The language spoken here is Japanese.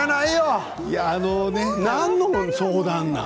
何の相談なの？